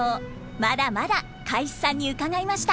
まだまだかい枝さんに伺いました。